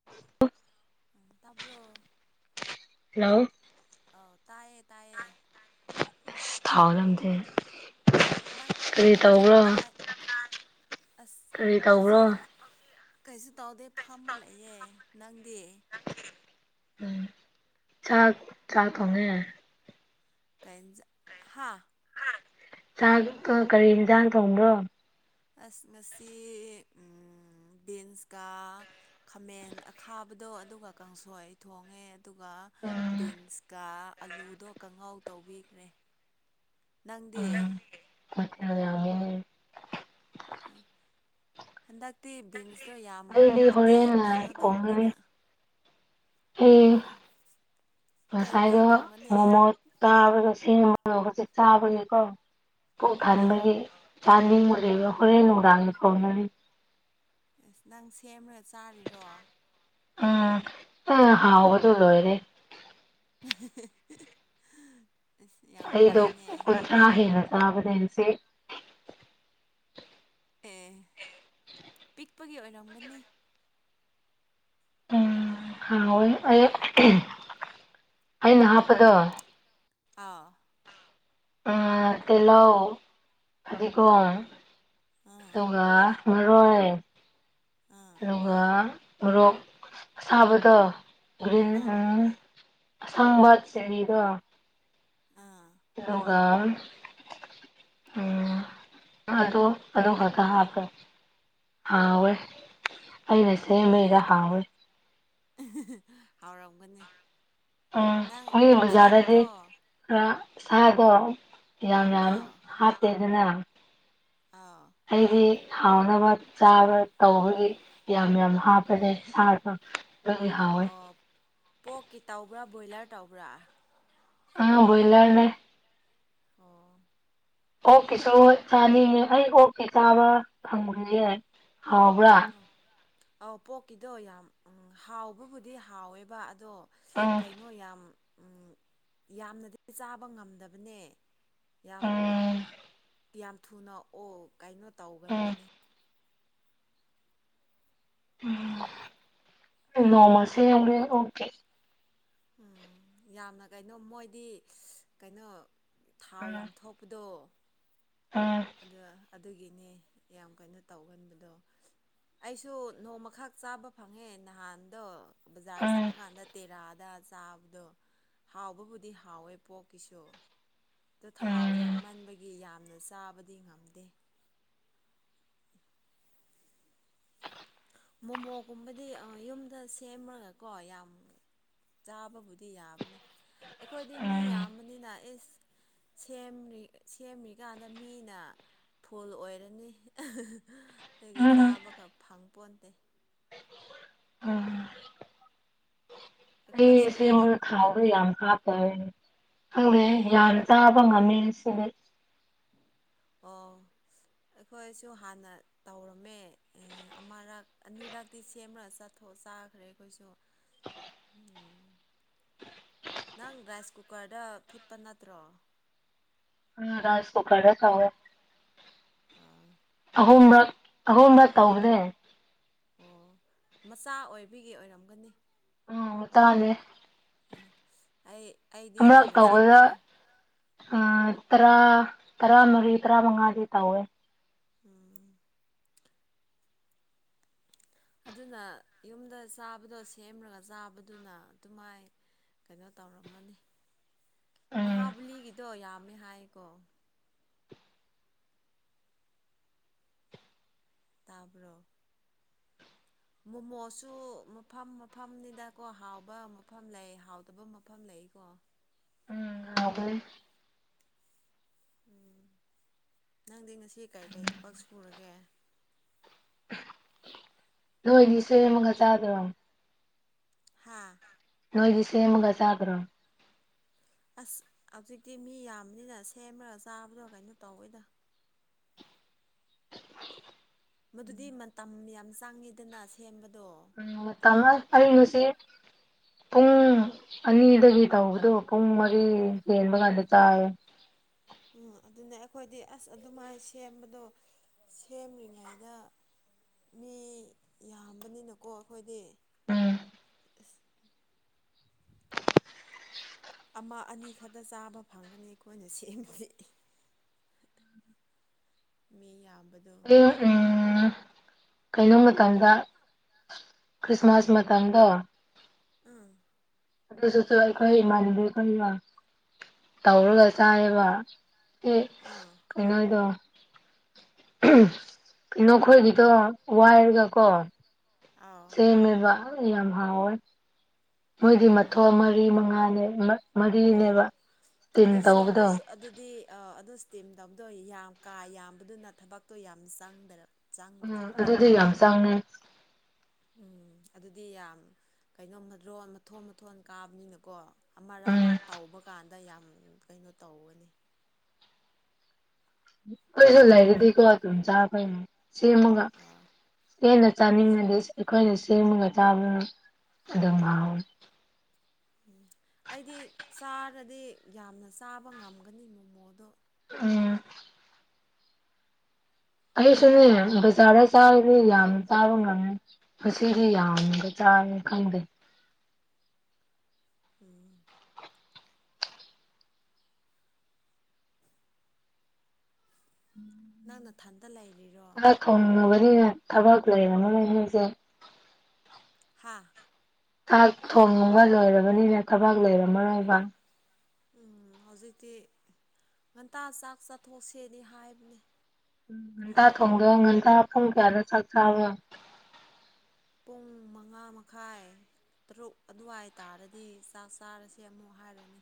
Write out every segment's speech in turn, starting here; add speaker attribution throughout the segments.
Speaker 1: [inaudible]
Speaker 2: ꯑꯥ ꯇꯥꯕꯔꯣ
Speaker 1: ꯍꯜꯂꯣ
Speaker 2: ꯑꯥꯎ ꯇꯥꯏꯌꯦ ꯇꯥꯏꯌꯦ
Speaker 1: ꯑꯁ ꯊꯥꯔꯝꯗꯦ
Speaker 2: ꯅꯪ ꯅꯪ ꯈꯣꯟꯖꯦꯜ ꯇꯥꯏ ꯑꯁ
Speaker 1: ꯀꯔꯤ ꯇꯧꯕ꯭ꯔꯣ
Speaker 2: ꯍꯧꯖꯤꯛ ꯀꯩꯁꯨ ꯇꯧꯗꯦ ꯐꯥꯝꯃ ꯂꯩꯌꯦ ꯅꯪꯗꯤ
Speaker 1: ꯎꯝ ꯆꯥꯛ ꯆꯥꯛ ꯊꯣꯡꯉꯦ
Speaker 2: ꯀꯩ ꯏꯟꯖꯥꯡ ꯍꯥꯥ
Speaker 1: ꯆꯥꯛꯇꯣ ꯀꯔꯤ ꯌꯦꯟꯖꯥꯡ ꯊꯣꯡꯕ꯭ꯔꯣ
Speaker 2: ꯑꯁ ꯉꯁꯤ ꯕꯤꯟꯁꯀ ꯈꯥꯃꯦꯟ ꯑꯈꯥꯕꯗꯣ ꯑꯗꯨꯒ ꯀꯥꯡꯁꯣꯏ ꯊꯣꯡꯉꯦ ꯑꯗꯨꯒ ꯕꯤꯟꯁꯀ ꯑꯂꯨꯗꯣ ꯀꯪꯍꯥꯎ ꯇꯧꯕꯤꯈ꯭ꯔꯦ ꯅꯪꯗꯤ
Speaker 1: ꯇꯥꯠꯅ ꯌꯥꯝ ꯋꯥꯏꯌꯦ
Speaker 2: ꯑꯥ ꯍꯟꯗꯛꯇꯤ ꯕꯤꯟꯁꯇꯣ ꯌꯥꯝ
Speaker 1: ꯑꯩꯗꯤ
Speaker 2: ꯂꯩ
Speaker 1: ꯍꯣꯔꯦꯟꯅ
Speaker 2: ꯀꯩꯅꯣ
Speaker 1: ꯊꯣꯡꯒꯅꯤ
Speaker 2: ꯇꯧꯕꯅꯤꯅ ꯑꯣ ꯀꯩ
Speaker 1: ꯉꯁꯥꯏꯒ
Speaker 2: ꯏꯟꯖꯥꯡ ꯊꯣꯡꯉꯅꯤ
Speaker 1: ꯃꯣꯃꯣ ꯆꯥꯔꯒ ꯁꯦꯝꯃꯒ ꯍꯧꯖꯤꯛ ꯆꯥꯕꯒꯤꯀꯣ ꯄꯨꯛ
Speaker 2: ꯑꯥ
Speaker 1: ꯊꯟꯕꯒꯤ ꯆꯥꯅꯤꯡꯕ ꯂꯩꯕꯒ ꯍꯣꯔꯦꯟ ꯅꯨꯡꯗꯥꯡꯒꯤ ꯊꯣꯡꯒꯅꯤ
Speaker 2: ꯏꯁ ꯅꯪ ꯁꯦꯝꯔ ꯆꯥꯔꯤꯔꯣ
Speaker 1: ꯎꯝ ꯑꯥ ꯍꯥꯎꯕꯗꯨ ꯂꯣꯏꯔꯦ
Speaker 2: ꯑꯁ ꯌꯥꯝ ꯐꯩꯅꯦ
Speaker 1: ꯆꯥꯒꯦꯅ ꯆꯥꯕꯅꯦ ꯉꯁꯤ
Speaker 2: ꯑꯦ ꯄꯤꯛꯄꯒꯤ ꯑꯣꯏꯔꯝꯒꯅꯤ
Speaker 1: ꯎꯝ ꯍꯥꯎꯋꯦ ꯑꯩ ꯑꯩꯅ ꯍꯥꯞꯄꯗꯣ
Speaker 2: ꯑꯧ
Speaker 1: ꯑꯥ ꯇꯤꯜꯂꯧ ꯐꯗꯤꯒꯣꯝ
Speaker 2: ꯑꯥ
Speaker 1: ꯑꯗꯨꯒ ꯃꯔꯣꯏ
Speaker 2: ꯑꯥ
Speaker 1: ꯑꯗꯨꯒ ꯃꯣꯔꯣꯛ ꯁꯥꯕꯗꯣ ꯒ꯭ꯔꯤꯟ
Speaker 2: ꯑꯥ
Speaker 1: ꯎꯝ ꯑꯁꯪꯕ ꯆꯤꯔꯤꯗꯣ
Speaker 2: ꯑꯥ
Speaker 1: ꯑꯗꯨꯒ ꯎꯝ ꯑꯗꯨ ꯑꯗꯨ ꯈꯛꯇ ꯍꯥꯞꯄꯦ ꯍꯥꯎꯋꯦ ꯑꯩꯅ
Speaker 2: ꯎꯝ
Speaker 1: ꯁꯦꯝꯕꯩꯔ ꯍꯥꯎꯋꯦ
Speaker 2: ꯍꯥꯎꯔꯝꯒꯅꯤ
Speaker 1: ꯎꯝ
Speaker 2: ꯅꯪ
Speaker 1: ꯍꯧꯖꯛ
Speaker 2: ꯎꯝ
Speaker 1: ꯕꯖꯥꯔꯗꯗꯤ
Speaker 2: ꯁꯦꯝꯕꯗꯣ
Speaker 1: ꯈꯔ ꯁꯥꯗꯣ ꯌꯥꯝ ꯌꯥꯝ
Speaker 2: ꯑꯥꯎ
Speaker 1: ꯍꯥꯞꯇꯦꯗꯅ
Speaker 2: ꯑꯧ
Speaker 1: ꯑꯩꯗꯤ ꯍꯥꯎꯅꯕ ꯆꯥꯕ ꯇꯧꯕꯒꯤ ꯌꯥꯝ ꯌꯥꯝ ꯍꯥꯞꯄꯅꯦ ꯏꯁꯥꯗꯣ
Speaker 2: ꯑꯣ ꯄꯣꯛꯀꯤ ꯇꯧꯕ꯭ꯔꯥ ꯕꯣꯏꯂꯔ ꯇꯧꯕ꯭ꯔꯥ
Speaker 1: ꯑꯦ ꯕꯣꯏꯂꯔꯅꯦ
Speaker 2: ꯑꯣ
Speaker 1: ꯑꯣꯛꯀꯤꯁꯨ ꯆꯥꯅꯤꯡꯉꯦ ꯑꯩ ꯑꯣꯛꯀꯤ ꯆꯥꯕ ꯐꯪꯕ ꯌꯥ ꯍꯥꯎꯕ꯭ꯔꯥ
Speaker 2: ꯑꯣ ꯑꯧ ꯄꯣꯛꯀꯤꯗꯣ ꯌꯥꯝ ꯍꯥꯎꯕꯕꯨꯗꯤ ꯍꯥꯎꯋꯦꯕ ꯑꯗꯣ
Speaker 1: ꯎꯝ
Speaker 2: ꯀꯩꯅꯣ ꯌꯥꯝ ꯎ ꯌꯥꯝꯅꯗꯤ ꯆꯥꯕ ꯉꯝꯗꯕꯅꯦ ꯌꯥꯝ
Speaker 1: ꯎꯝ
Speaker 2: ꯌꯥꯝ ꯊꯨꯅ ꯑꯣ ꯀꯩꯅꯣ ꯇꯧꯒꯟꯕꯅꯦ
Speaker 1: ꯎꯝ [unintelligible] ꯑꯣꯀꯦ
Speaker 2: ꯎꯝ ꯌꯥꯝꯅ ꯀꯩꯅꯣ ꯃꯣꯏꯗꯤ ꯀꯩꯅꯣ ꯊꯥꯎ
Speaker 1: ꯎꯝ
Speaker 2: ꯌꯥꯝ ꯊꯣꯛꯄꯗꯣ
Speaker 1: ꯎꯝ
Speaker 2: ꯑꯗ ꯑꯗꯨꯒꯤꯅꯦ ꯌꯥꯝ ꯀꯩꯅꯣ ꯇꯧꯒꯟꯕꯗꯣ ꯑꯩꯁꯨ ꯅꯣꯡꯃꯈꯥ ꯆꯥꯕ ꯐꯪꯉꯦ ꯅꯍꯥꯟꯗꯣ ꯕꯖꯥꯔ
Speaker 1: ꯎꯝ
Speaker 2: ꯆꯠꯄ ꯀꯥꯟꯗ ꯇꯦꯔꯥꯗ ꯆꯥꯕꯗꯣ ꯍꯥꯎꯕꯕꯨꯗꯤ ꯍꯥꯎꯋꯦ ꯄꯣꯛꯀꯤꯁꯨ ꯗꯣ ꯊꯥꯎ
Speaker 1: ꯎꯝ
Speaker 2: ꯌꯥꯝꯃꯟꯕꯒꯤ ꯌꯥꯝꯅ ꯆꯥꯕꯗꯤ ꯉꯝꯗꯦ ꯃꯣꯃꯣꯒꯨꯝꯕꯗꯤ ꯌꯨꯝꯗ ꯁꯦꯝꯃꯒꯀꯣ ꯌꯥꯝ ꯆꯥꯕꯕꯨꯗꯤ ꯌꯥꯕꯅꯤ ꯑꯩꯈꯣꯏꯗꯤ ꯃꯤ
Speaker 1: ꯎꯝ
Speaker 2: ꯌꯥꯝꯕꯅꯤꯅ ꯏꯁ ꯁꯦꯝꯔꯤ ꯁꯦꯝꯃꯤꯀꯥꯟꯗ ꯃꯤꯅ ꯐꯨꯜ ꯑꯣꯏꯔꯅꯤ ꯑꯗꯨꯒꯤ ꯆꯥꯕꯒ ꯐꯪ ꯄꯣꯟꯇꯦ ꯑꯩꯈꯣꯏꯁꯨ
Speaker 1: ꯑꯩꯁꯦ ꯊꯥꯎꯗ ꯌꯥꯝ ꯍꯥꯞꯄ ꯈꯪꯗꯦ ꯌꯥꯝ ꯆꯥꯕ ꯉꯝꯃꯦ ꯁꯤꯗꯤ
Speaker 2: ꯑꯣ ꯑꯩꯈꯣꯏꯁꯨ ꯍꯥꯟꯅ ꯇꯧꯔꯝꯃꯦ ꯑꯃꯔꯛ ꯑꯅꯤꯔꯛꯇꯤ ꯁꯦꯝꯃꯒ ꯆꯠ ꯊꯣꯛꯑ ꯆꯥꯈ꯭ꯔꯦ ꯑꯩꯈꯣꯏꯁꯨ
Speaker 1: [inaudible]
Speaker 2: ꯎꯝ ꯅꯪ ꯔꯥꯏꯁ ꯀꯨꯀꯔꯗ ꯐꯨꯠꯄ ꯅꯠꯇ꯭ꯔꯣ
Speaker 1: ꯎꯝ ꯔꯥꯏꯁ ꯀꯨꯀꯔꯗ ꯇꯧꯋꯦ
Speaker 2: ꯑꯥ
Speaker 1: ꯑꯍꯨꯝꯔꯛ ꯑꯍꯨꯝꯔꯛ ꯇꯧꯕꯅꯦ
Speaker 2: ꯑꯣ ꯃꯆꯥ ꯑꯣꯏꯕꯤꯒꯤ ꯑꯣꯏꯔꯝꯒꯅꯤ
Speaker 1: ꯎꯝ ꯇꯅꯦ
Speaker 2: ꯑ ꯑꯩ ꯑꯩꯗꯤ ꯍꯥꯟꯅ ꯁꯦꯝꯗꯣ
Speaker 1: ꯑ ꯇꯔꯥ ꯇꯔꯥꯃꯔꯤ ꯇꯔꯥ ꯃꯉꯥꯗꯤ ꯇꯧꯋꯦ
Speaker 2: ꯎꯝ ꯑꯗꯨꯅ ꯌꯨꯝꯗ ꯆꯥꯕꯗꯣ ꯁꯦꯝꯔꯒ ꯆꯥꯕꯗꯨꯅ ꯑꯗꯨꯃꯥꯏ ꯀꯩꯅꯣ ꯇꯧꯔꯝꯃꯅꯤ
Speaker 1: ꯎꯝ
Speaker 2: ꯃꯍꯥꯕꯂꯤꯒꯤꯗꯣ ꯌꯥꯝꯃꯦ ꯍꯥꯏꯀꯣ ꯇꯥꯕ꯭ꯔꯣ ꯃꯣꯃꯣꯁꯨ ꯃꯐꯝ ꯃꯐꯝꯅꯤꯗꯀꯣ ꯍꯥꯎꯕ ꯃꯐꯝ ꯂꯩ ꯍꯥꯎꯗꯕ ꯃꯐꯝ ꯂꯩꯀꯣ
Speaker 1: ꯎꯝ [unintelligible]
Speaker 2: ꯎꯝ ꯅꯪꯗꯤ ꯉꯁꯤ ꯀꯩ ꯀꯩ ꯊꯕꯛ ꯁꯨꯔꯒꯦ
Speaker 1: ꯅꯣꯏꯗꯤ ꯁꯣꯏ ꯑꯃꯒ ꯆꯥꯗꯔꯣ
Speaker 2: ꯍꯥꯥ
Speaker 1: ꯅꯣꯏꯗꯤ ꯁꯦꯝꯃꯒ ꯆꯥꯗ꯭ꯔꯣ
Speaker 2: ꯑꯁ ꯍꯧꯖꯤꯛꯇꯤ ꯃꯤ ꯌꯥꯝꯕꯅꯤꯅ ꯁꯦꯝꯃꯒ ꯆꯥꯕꯗꯣ ꯀꯩꯅꯣ ꯇꯧꯋꯦꯗ ꯃꯗꯨꯗꯤ ꯃꯇꯝ ꯌꯥꯝ ꯆꯪꯉꯤꯗꯅ ꯁꯦꯝꯕꯗꯣ
Speaker 1: [unintelligible] ꯄꯨꯡ ꯑꯅꯤꯗꯒꯤ ꯇꯧꯕꯗꯣ ꯄꯨꯡ ꯃꯔꯤ ꯍꯦꯟꯕ ꯀꯥꯟꯗ ꯇꯥꯈ꯭ꯔꯦ
Speaker 2: ꯎꯝ ꯑꯗꯨꯅꯦ ꯑꯩꯈꯣꯏꯗꯤ ꯑꯁ ꯑꯗꯨꯃꯥꯏꯅ ꯁꯦꯝꯕꯗꯣ ꯁꯦꯝꯔꯤꯉꯩꯗ ꯃꯤ ꯌꯥꯝꯕꯅꯤꯅꯀꯣ ꯑꯩꯈꯣꯏꯗꯤ
Speaker 1: ꯎꯝ
Speaker 2: ꯑꯁ ꯑꯃ ꯑꯅꯤ ꯈꯛꯇ ꯆꯥꯕ ꯐꯪꯒꯅꯤ ꯑꯩꯈꯣꯏꯅ ꯁꯦꯝꯕꯗꯤ ꯃꯤ ꯌꯥꯝꯕꯅꯤ
Speaker 1: ꯑꯩ ꯎꯝ ꯀꯩꯅꯣ ꯃꯇꯝꯗ ꯀ꯭ꯔꯤꯁꯃꯥꯁ ꯃꯇꯝꯗꯣ
Speaker 2: ꯑꯝ
Speaker 1: [unintelligible] ꯑꯩꯈꯣꯢ ꯢꯃꯥꯟꯅꯕꯤ ꯈꯣꯢꯒ ꯇꯧꯔꯒ ꯆꯥꯏꯌꯦꯕ ꯑꯦ
Speaker 2: ꯑꯥ
Speaker 1: ꯀꯩꯅꯣꯗꯣ ꯅꯈꯣꯏꯒꯤꯗꯣ ꯋꯥꯏꯔꯒ ꯀꯣ
Speaker 2: ꯑꯥꯎ
Speaker 1: ꯁꯦꯝꯃꯦꯕ ꯌꯥꯝ ꯍꯥꯎꯋꯦ ꯃꯣꯏꯗꯤ
Speaker 2: ꯑꯣ
Speaker 1: ꯃꯊꯣꯟ ꯃꯔꯤ ꯃꯉꯥꯅꯦ ꯃꯔꯤꯅꯦꯕ
Speaker 2: ꯑꯣ
Speaker 1: ꯏꯁꯇꯤꯝ
Speaker 2: ꯑꯗꯨ ꯁꯦꯝ
Speaker 1: ꯇꯧꯕꯗꯣ
Speaker 2: ꯑꯗꯨꯗꯤ ꯑꯥ ꯑꯗꯨ ꯁ꯭ꯇꯤꯝ ꯇꯧꯗꯣꯏ ꯌꯥꯝ ꯀꯥ ꯌꯥꯝꯕꯗꯨꯅ ꯊꯕꯛꯇꯣ ꯌꯥꯝ ꯆꯪꯗ꯭ꯔꯦ
Speaker 1: ꯎꯝ ꯑꯗꯨꯗꯤ ꯌꯥꯝ ꯆꯪꯉꯦ꯫
Speaker 2: ꯎꯝ ꯑꯗꯨꯗꯤ ꯌꯥꯝ ꯀꯩꯅꯣ [unintelligible] ꯃꯊꯣꯟ ꯃꯊꯣꯟ ꯀꯥꯕꯅꯤꯅꯀꯣ꯫ ꯑꯃꯔꯛ
Speaker 1: ꯎꯝ
Speaker 2: ꯇꯧꯕ ꯀꯥꯟꯗ ꯌꯥꯝ ꯀꯩꯅꯣ ꯇꯧꯒꯅꯤ꯫
Speaker 1: ꯑꯩꯁꯨ ꯂꯩꯔꯗꯤꯀꯣ ꯑꯗꯨꯝ ꯆꯥꯒꯅꯤ ꯁꯦꯝꯃꯒ
Speaker 2: ꯑꯥ
Speaker 1: ꯍꯦꯟꯅ ꯆꯥꯅꯤꯡꯉꯗꯤ ꯑꯩꯈꯣꯏꯅ ꯁꯦꯝꯃꯒ ꯆꯥꯕꯅ ꯑꯗꯨꯝ ꯍꯥꯎꯋꯦ꯫
Speaker 2: ꯎꯝ ꯑꯩꯗꯤ ꯆꯥꯔꯗꯤ ꯌꯥꯝꯅ ꯆꯥꯕ ꯉꯝꯒꯅꯤ ꯃꯣꯃꯣꯗꯣ꯫
Speaker 1: ꯎꯝ꯫ ꯑꯩꯁꯨꯅꯦ ꯕꯖꯥꯔꯗ [unintelligible] ꯑꯩ ꯌꯥꯝꯅ ꯆꯥꯕ ꯉꯝꯃꯦ ꯉꯁꯤꯗꯤ ꯌꯥꯝꯅꯒ ꯆꯥꯔꯦ ꯈꯪꯗꯦ꯫
Speaker 2: ꯎꯝ꯫ ꯅꯪ ꯅꯊꯥꯟꯗ ꯂꯩꯔꯤ
Speaker 1: ꯆꯥꯛ ꯊꯣꯡꯉꯕꯅꯤꯅ ꯊꯕꯛ ꯂꯩꯕꯅꯤꯅ ꯉꯁꯤꯁꯦ
Speaker 2: ꯍꯥꯥ꯫
Speaker 1: ꯆꯥꯛ ꯊꯣꯡꯕ ꯂꯣꯏꯔꯕꯅꯤꯅ ꯊꯕꯛ ꯂꯩꯔꯝꯃꯔꯣꯏꯕ꯫
Speaker 2: ꯎꯝ ꯍꯧꯖꯤꯛꯇꯤ ꯉꯟꯇꯥ ꯆꯥꯛ ꯆꯠꯊꯣꯛꯁꯦꯗꯤ ꯍꯥꯏꯕꯅꯦ꯫
Speaker 1: ꯎꯝ ꯉꯟꯇꯥ
Speaker 2: ꯑꯩꯈꯣꯏ
Speaker 1: ꯊꯣꯡꯗꯣꯛꯑꯣ ꯉꯟꯇꯥ ꯄꯨꯡ ꯀꯌꯥꯗ ꯆꯥꯛ ꯆꯥꯕ꯭ꯔꯣ
Speaker 2: ꯄꯨꯡ ꯃꯉꯥ ꯃꯈꯥꯏ꯫ ꯇꯔꯨꯛ ꯑꯗꯨꯋꯥꯏ ꯇꯥꯥꯔꯗꯤ ꯆꯥꯛ ꯆꯥꯔꯁꯦ ꯑꯃꯨꯛ ꯍꯥꯏꯔꯅꯤ꯫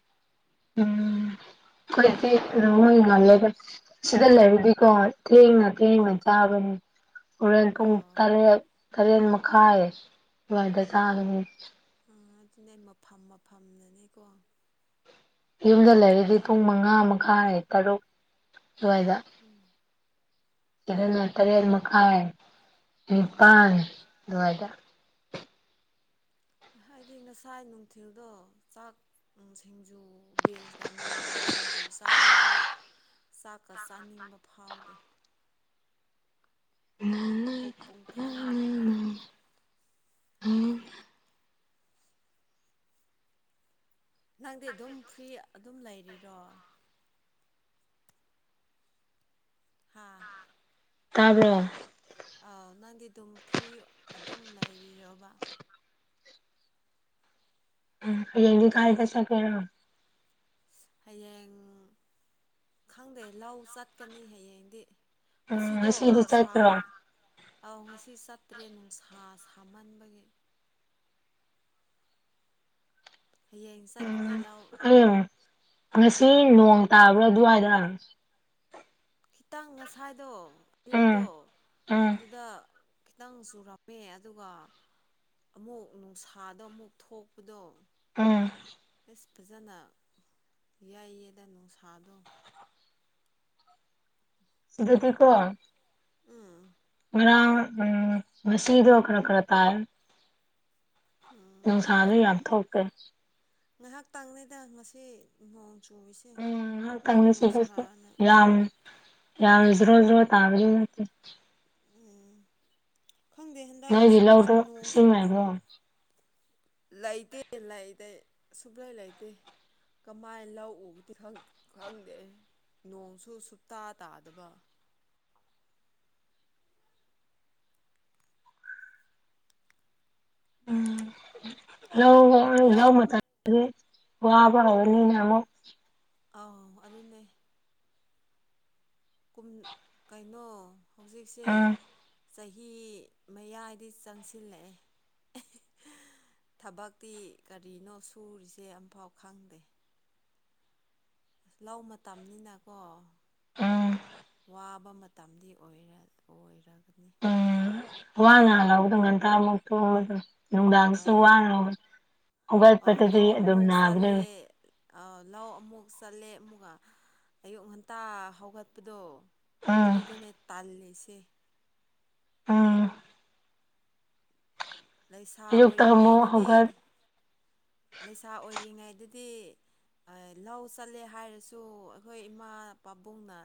Speaker 1: ꯎꯝ [unintelligible] ꯁꯤꯗ ꯂꯩꯔꯗꯤꯀꯣ ꯊꯦꯡꯅ ꯊꯦꯡꯅ
Speaker 2: ꯑꯥ
Speaker 1: ꯆꯥꯕꯅꯤ꯫ ꯍꯣꯔꯦꯟ ꯄꯨꯡ
Speaker 2: ꯑꯣ
Speaker 1: ꯇꯔꯦꯠ ꯇꯔꯦꯠ ꯃꯈꯥꯏ ꯑꯗꯨꯋꯥꯏꯗ ꯆꯥꯒꯅꯤ꯫
Speaker 2: ꯑꯥ ꯑꯗꯨꯅꯦ ꯃꯐꯝ ꯃꯐꯝꯅꯅꯦꯀꯣ꯫
Speaker 1: ꯌꯨꯝꯗ ꯂꯩꯔꯗꯤ ꯄꯨꯡ ꯃꯉꯥ ꯃꯈꯥꯏ ꯇꯔꯨꯛ ꯁꯨꯋꯥꯏꯗ꯫
Speaker 2: ꯎꯝ꯫
Speaker 1: ꯁꯤꯗꯅ ꯇꯔꯦꯠ ꯃꯈꯥꯏ꯫
Speaker 2: ꯑꯥꯢ
Speaker 1: ꯅꯤꯄꯥꯜ ꯑꯗꯨꯋꯥꯢꯗ꯫
Speaker 2: ꯍꯥꯏꯗꯤ ꯉꯁꯥꯏ ꯅꯨꯡꯊꯤꯜꯗꯣ ꯆꯥꯛ ꯑꯥ ꯁꯤꯡꯖꯨ ꯕꯤꯟꯁꯀ ꯃꯤꯃꯤꯒ ꯁꯤꯡꯖꯨ ꯆꯥꯕꯤꯕꯒꯤ ꯆꯥꯛꯀ ꯆꯥꯅꯤꯡꯕ ꯐꯥꯎꯗꯦ꯫ ꯄꯨꯛ ꯄꯨꯡꯊꯟ ꯊꯜꯂꯦ
Speaker 1: [unintelligible]
Speaker 2: ꯅꯪꯗꯤ ꯑꯗꯨꯝ ꯐ꯭ꯔꯤ ꯑꯗꯨꯝ ꯂꯩꯔꯤꯔꯣ ꯍꯥꯥ
Speaker 1: ꯇꯥꯕ꯭ꯔꯣ
Speaker 2: ꯑꯥꯎ ꯅꯪꯗꯤ ꯑꯗꯨꯝ ꯐ꯭ꯔꯤ ꯑꯗꯨꯝ ꯂꯩꯔꯤꯔꯣꯕ
Speaker 1: ꯎꯝ ꯍꯌꯦꯡꯗꯤ ꯀꯥꯏꯗ ꯆꯠꯀꯦꯔꯣ
Speaker 2: ꯍꯌꯦꯡ ꯈꯪꯗꯦ ꯂꯧ ꯆꯠꯀꯅꯤ ꯍꯌꯦꯡꯗꯤ
Speaker 1: ꯎꯝ
Speaker 2: ꯉꯁꯤꯗꯣ
Speaker 1: ꯉꯁꯤꯗꯤ
Speaker 2: ꯅꯨꯡꯁꯥ
Speaker 1: ꯆꯠꯇ꯭ꯔꯣ
Speaker 2: ꯑꯧ ꯉꯁꯤ ꯆꯠꯇ꯭ꯔꯦ ꯅꯨꯡꯁꯥ ꯁꯥꯃꯟꯕꯒꯤ ꯍꯌꯦꯡ ꯆꯠꯀꯅꯤ ꯂꯧ
Speaker 1: ꯍꯌꯦꯡ ꯉꯁꯤ ꯅꯣꯡ ꯇꯥꯕ꯭ꯔꯥ ꯑꯗꯨꯋꯥꯢꯗ
Speaker 2: ꯈꯤꯇꯪ ꯉꯁꯥꯏꯗꯣ ꯑꯌꯨꯛꯇꯣ
Speaker 1: ꯎꯝ ꯎꯝ
Speaker 2: ꯑꯗꯨꯗ ꯈꯤꯇꯪ ꯆꯨꯔꯝꯃꯦ ꯑꯗꯨꯒ ꯑꯃꯨꯛ ꯅꯨꯡꯁꯥꯗ ꯑꯃꯨꯛ ꯊꯣꯛꯄꯗꯣ
Speaker 1: ꯎꯝ
Speaker 2: ꯐꯤꯁ ꯐꯖꯅ ꯌꯥꯏꯌꯦꯗ ꯅꯨꯡꯁꯥꯗꯣ
Speaker 1: ꯁꯤꯗꯗꯤ ꯀꯣ
Speaker 2: ꯎꯝ
Speaker 1: ꯉꯔꯥꯡ ꯎꯝ ꯉꯁꯤꯗꯣ ꯈꯔ ꯈꯔ ꯇꯥꯏ
Speaker 2: ꯎꯝ
Speaker 1: ꯅꯨꯡꯁꯥꯗꯣ ꯌꯥꯝ ꯊꯣꯛꯇꯦ
Speaker 2: ꯉꯥꯏꯍꯥꯛꯇꯪꯅꯤꯗ ꯉꯁꯤ ꯅꯣꯡ ꯆꯨꯔꯤꯁꯤ
Speaker 1: ꯎꯝ ꯉꯍꯥꯛꯇꯪꯅꯤ ꯆꯨꯈꯠꯄ ꯌꯥꯝ ꯌꯥꯝ ꯖꯣꯔꯣ ꯖꯣꯔꯣ ꯇꯥꯕꯗꯤ ꯅꯠꯇꯦ
Speaker 2: ꯎꯝ ꯈꯪꯗꯦ ꯍꯟꯗꯛ
Speaker 1: ꯅꯣꯏꯒꯤ
Speaker 2: ꯁꯨ
Speaker 1: ꯂꯧꯗꯣ
Speaker 2: ꯅꯣꯡ ꯁꯨ
Speaker 1: ꯏꯁꯤꯡ ꯂꯩꯕ꯭ꯔꯣ
Speaker 2: ꯂꯩꯇꯦ ꯂꯩꯗꯩ ꯁꯨꯨꯞꯂꯩ ꯂꯩꯇꯦ ꯀꯃꯥꯏ ꯂꯧ ꯎꯕꯗꯤ ꯈꯪ ꯈꯪꯗꯦ ꯅꯣꯡꯁꯨ ꯁꯨꯇꯥ ꯇꯥꯗꯕ
Speaker 1: ꯎꯝ ꯂꯧ ꯂꯧ ꯃꯇꯝꯗꯤ ꯋꯥꯕ ꯍꯧꯔꯅꯤꯅꯦ ꯑꯃꯨꯛ
Speaker 2: ꯑꯥꯎ ꯑꯗꯨꯅꯦ ꯀꯨꯝ ꯀꯩꯅꯣ ꯍꯧꯖꯤꯛꯁꯦ
Speaker 1: ꯎꯝ
Speaker 2: ꯆꯍꯤ ꯃꯌꯥꯏꯗꯤ ꯆꯟꯁꯤꯜꯂꯛꯑꯦ ꯊꯕꯛꯇꯤ ꯀꯔꯤꯅꯣ ꯁꯨꯔꯤꯁꯦ ꯑꯝꯐꯥꯎ ꯈꯪꯗꯦ ꯂꯧ ꯃꯇꯝꯅꯤꯅꯀꯣ
Speaker 1: ꯎꯝ
Speaker 2: ꯋꯥꯕ ꯃꯇꯝꯗꯤ ꯑꯣꯏꯔ ꯑꯣꯏꯔꯒꯅꯤ
Speaker 1: ꯎꯝ ꯋꯥꯅ ꯍꯂꯛꯄꯗ ꯉꯟꯇꯅ ꯇꯨꯝꯕꯗꯣ ꯅꯨꯡꯗꯥꯡꯁꯨ
Speaker 2: ꯑꯥ
Speaker 1: ꯋꯥꯅ ꯍꯧꯒꯠꯄꯗꯨꯗꯤ ꯑꯗꯨꯝ ꯅꯥꯕꯅꯦ
Speaker 2: ꯑꯥꯎ ꯂꯧ ꯑꯃꯨꯛ ꯆꯠꯂꯦ ꯑꯃꯨꯛꯀ ꯑꯌꯨꯛ ꯉꯟꯇꯥ ꯍꯧꯒꯠꯄꯗꯣ
Speaker 1: ꯎꯝ
Speaker 2: ꯑꯗꯨꯗꯅꯦ ꯇꯥꯜꯂꯦꯁꯦ
Speaker 1: ꯎꯝ
Speaker 2: ꯂꯩꯁꯥ
Speaker 1: ꯑꯌꯨꯛꯇ ꯑꯃꯨꯛ
Speaker 2: ꯑꯣꯏꯔꯤꯉꯩꯗꯗꯤ
Speaker 1: ꯍꯧꯒꯠ
Speaker 2: ꯂꯩꯁꯥ ꯑꯣꯏꯔꯤꯉꯩꯗꯗꯤ ꯑ ꯂꯧ ꯆꯠꯂꯦ ꯍꯥꯏꯔꯁꯨ ꯑꯈꯣꯏ ꯏꯃꯥ ꯄꯥꯕꯨꯡꯅ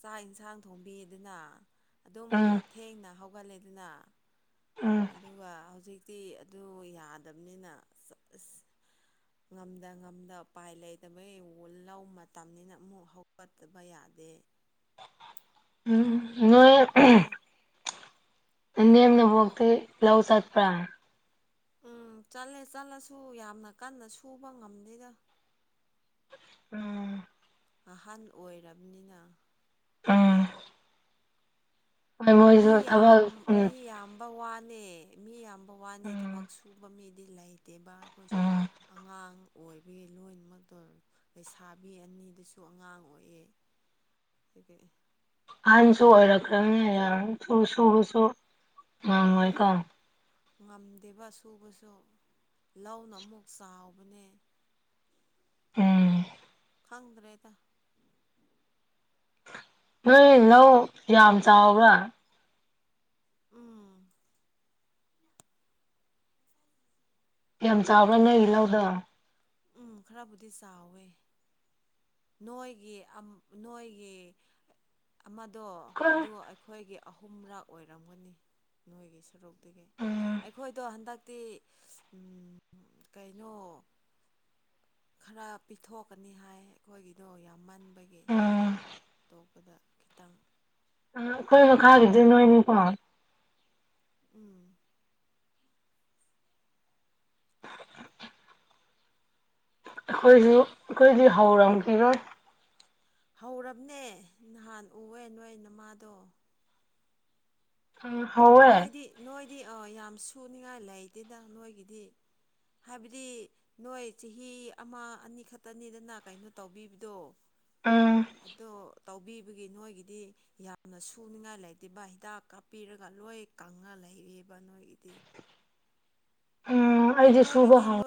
Speaker 2: ꯆꯥꯛ ꯏꯟꯁꯥꯡ ꯊꯣꯡꯕꯤꯗꯅ ꯑꯗꯨꯝ
Speaker 1: ꯎꯝ
Speaker 2: ꯊꯦꯡꯅ ꯍꯧꯒꯠꯂꯦꯗꯅ
Speaker 1: ꯎꯝ
Speaker 2: ꯑꯗꯨꯒ ꯍꯧꯖꯤꯛ ꯇꯤ ꯑꯗꯨ ꯌꯥꯗꯕꯅꯤꯅ ꯑꯁ ꯉꯝꯗꯥ ꯉꯝꯗꯥ ꯎꯄꯥꯏ ꯂꯩꯇꯕꯩ ꯋꯣ ꯂꯧ ꯃꯇꯝꯅꯤꯅ ꯑꯃꯨꯛ ꯍꯧꯒꯠꯇꯕ ꯌꯥꯗꯦ
Speaker 1: ꯎꯝ ꯅꯣꯏ
Speaker 2: ꯋꯥꯏ
Speaker 1: ꯏꯅꯦꯝ ꯅꯕꯣꯛꯇꯤ ꯂꯧꯎ ꯆꯠꯄ꯭ꯔꯥ
Speaker 2: ꯑꯥ ꯆꯠꯂꯦ ꯆꯠꯂꯁꯨ ꯌꯥꯝꯅ ꯀꯟꯅ ꯁꯨꯕ ꯉꯝꯗꯦꯗ
Speaker 1: ꯎꯝ
Speaker 2: ꯑꯍꯟ ꯑꯣꯏꯔꯕꯅꯤꯅ
Speaker 1: ꯎꯝ ꯍꯣꯏ
Speaker 2: ꯃꯤ
Speaker 1: ꯃꯣꯏꯁꯨ
Speaker 2: ꯌꯥꯝ
Speaker 1: ꯊꯕꯛ ꯎꯝ
Speaker 2: ꯃꯤ ꯌꯥꯝꯕ ꯋꯥꯅꯦ ꯃꯤ ꯌꯥꯝꯕ ꯋꯥꯅꯦ ꯊꯕꯛ
Speaker 1: ꯎꯝ
Speaker 2: ꯁꯨ ꯄꯨꯕ ꯃꯤꯗꯤ ꯂꯩꯇꯦꯕ ꯑꯩꯈꯣꯏꯁꯨ
Speaker 1: ꯎꯝ
Speaker 2: ꯑꯉꯥꯡ ꯑꯣꯏꯕꯒꯤ ꯂꯣꯏꯅꯃꯛꯇꯨ ꯂꯩꯁꯥꯕꯤ ꯑꯅꯤꯗꯨꯁꯨ ꯑꯉꯥꯡ ꯑꯣꯏꯌꯦ ꯀꯩꯀꯩ
Speaker 1: ꯑꯍꯟꯁꯨ ꯑꯣꯏꯔꯛꯈ꯭ꯔꯥꯕꯅꯦ ꯌꯥꯝ [unintelligible] ꯁꯨꯕꯁꯨ ꯉꯝꯃꯣꯏꯀꯣ
Speaker 2: ꯎꯝ ꯉꯝꯗꯦꯕ ꯁꯨꯕꯁꯨ ꯂꯧꯅ ꯑꯃꯨꯛ ꯆꯥꯎꯕꯅꯦ
Speaker 1: ꯎꯝ
Speaker 2: ꯈꯪꯗ꯭ꯔꯦꯗ
Speaker 1: ꯅꯣꯏ ꯂꯧ ꯌꯥꯝ ꯆꯥꯎꯕ꯭ꯔꯥ
Speaker 2: ꯎꯝ
Speaker 1: ꯌꯥꯝ ꯆꯥꯎꯕ꯭ꯔꯥ ꯅꯣꯏꯒꯤ ꯂꯧꯗꯨ
Speaker 2: ꯎꯝ ꯈꯔꯕꯨꯗꯤ ꯆꯥꯎꯋꯦ ꯅꯣꯏꯒꯤ ꯑꯝ ꯅꯣꯏꯒꯤ ꯑꯃꯗꯣ
Speaker 1: ꯈꯣꯏ
Speaker 2: ꯑꯗꯨ ꯑꯩꯈꯣꯏꯒꯤ ꯑꯍꯨꯝꯔꯛ ꯑꯣꯏꯔꯝꯒꯅꯤ ꯅꯣꯏꯒꯤ ꯁꯔꯨꯛ ꯇꯦꯒꯦ
Speaker 1: ꯎꯝ
Speaker 2: ꯑꯩꯈꯣꯏꯗꯣ ꯍꯟꯗꯛꯇꯤ ꯎꯝ ꯀꯩꯅꯣ ꯈꯔ ꯄꯤꯊꯣꯛꯀꯥꯅꯤ ꯍꯥꯏ ꯑꯩꯈꯣꯏꯒꯤꯗꯣ ꯌꯥꯝꯃꯟꯕꯒꯤ
Speaker 1: ꯎꯝ
Speaker 2: ꯇꯣ ꯑꯗꯥ ꯈꯤꯇꯪ
Speaker 1: ꯑꯉꯥꯡꯈꯣꯏ ꯃꯈꯥꯒꯤꯗꯤ ꯅꯣꯏꯅꯤꯀꯣ
Speaker 2: ꯎꯝ
Speaker 1: [inaudible] ꯑꯩꯈꯣꯏꯖꯨ ꯑꯩꯈꯣꯏꯗꯤ ꯍꯧꯔꯥꯝꯈꯤꯔꯣꯏ
Speaker 2: ꯍꯧꯔꯕꯅꯦ ꯅꯍꯥꯟ ꯎꯋꯦ ꯅꯣꯏ ꯅꯃꯥꯗꯣ
Speaker 1: ꯎꯝ ꯍꯧꯋꯦ
Speaker 2: ꯅꯣꯏꯗꯤ ꯅꯣꯏꯗꯤ ꯑꯥ ꯌꯥꯝ ꯁꯨꯅꯤꯡꯉꯥꯏ ꯂꯩꯇꯦꯗ ꯅꯣꯏꯒꯤꯗꯤ ꯍꯥꯏꯕꯗꯤ ꯅꯣꯏ ꯆꯍꯤ ꯑꯃ ꯑꯅꯤ ꯈꯛꯇꯥꯅꯤꯗꯅ ꯀꯩꯅꯣ ꯇꯧꯕꯤꯕꯗꯣ
Speaker 1: ꯎꯝ
Speaker 2: ꯑꯗꯣ ꯇꯧꯕꯤꯕꯒꯤ ꯅꯣꯏꯒꯤꯗꯤ ꯌꯥꯝꯅ ꯁꯨꯅꯤꯡꯉꯥꯏ ꯂꯩꯇꯦꯕ ꯍꯤꯗꯥꯛ ꯀꯥꯞꯄꯤꯔꯒꯥ ꯂꯣꯏ ꯀꯪꯉ ꯂꯩꯔꯤꯕ ꯅꯣꯏꯒꯤꯗꯤ
Speaker 1: [unintelligible]
Speaker 2: ꯑꯥ ꯅꯣꯏꯒꯤꯗꯤ
Speaker 1: ꯍꯥꯏ
Speaker 2: ꯅꯣꯏ